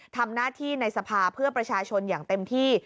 ทำหน้าที่ในสภาเพื่อประชาชนอย่างเต็มที่